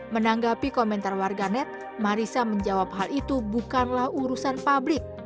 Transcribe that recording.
menanggapi komentar warganet marissa menjawab hal itu bukanlah urusan publik